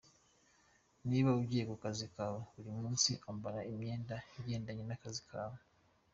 Niba ugiye kukazi kawe ka buri munsi ambara imyenda igendanye n’akazi kawe.